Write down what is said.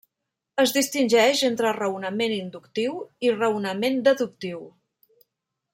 Es distingeix entre raonament inductiu i raonament deductiu.